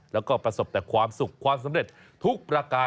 แล้วก็ประสบแต่ความสุขความสำเร็จทุกประการ